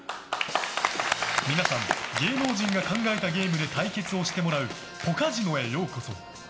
皆さん、芸能人が考えたゲームで対決してもらうポカジノへようこそ。